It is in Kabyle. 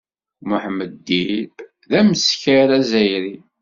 Mohamed Dib d ameskar adzayri.